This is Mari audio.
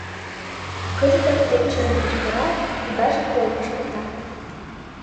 — Кызытак фельдшерым кычкырал, кудашын койкышко пыштыза...